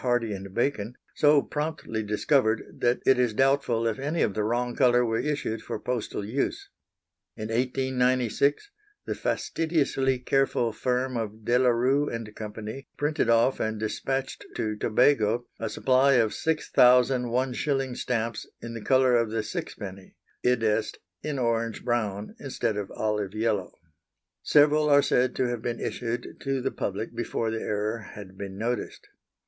Hardy and Bacon, so promptly discovered, that it is doubtful if any of the wrong colour were issued for postal use. In 1896 the fastidiously careful firm of De la Rue and Co. printed off and despatched to Tobago a supply of 6,000 one shilling stamps in the colour of the sixpenny, i.e. in orange brown instead of olive yellow. Several are said to have been issued to the public before the error had been noticed.